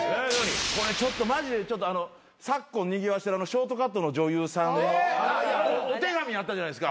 ちょっとマジで昨今にぎわしてるショートカットの女優さんのお手紙あったじゃないですか。